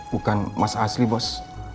bukan mas asli bos